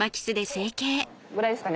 こう？ぐらいですかね？